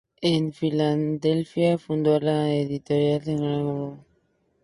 En Filadelfia fundó la editorial Telegraph Books.